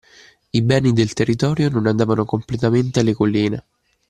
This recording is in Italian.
I beni del territorio non andavano completamente alle colline